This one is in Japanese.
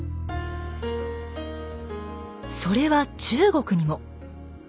それは中国にも。